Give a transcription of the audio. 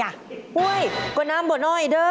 อุ๊ยก็น้ำบ่อน้อยเด้อ